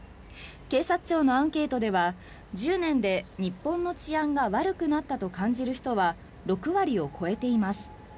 警察庁のアンケートでは１０年で日本の治安が悪くなったと感じる人は６割を超えています。